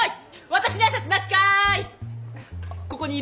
私に挨拶なしかい！